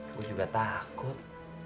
gue juga takut